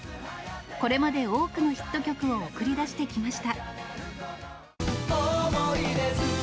これまで多くのヒット曲を送り出してきました。